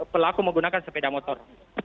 pelaku menggunakan sepeda motor